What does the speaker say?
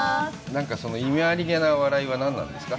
なんかその意味ありげな笑いは何なんですか？